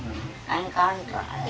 kami juga mencari jalan untuk mencari jalan